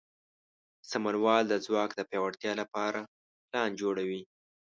سمونوال د ځواک د پیاوړتیا لپاره پلان جوړوي.